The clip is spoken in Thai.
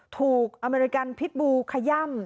อเมริกันพิษบูขย่ำ